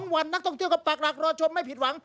วันนักท่องเที่ยวก็ปากหลักรอชมไม่ผิดหวัง